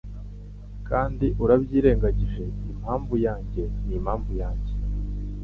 Kandi urabyirengagije impamvu yanjye n'impamvu yanjye